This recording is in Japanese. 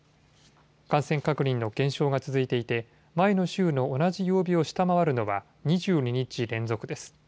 感染確認の減少が続いていて、前の週の同じ曜日を下回るのは２２日連続です。